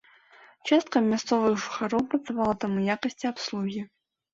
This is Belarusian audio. Частка мясцовых жыхароў працавала там у якасці абслугі.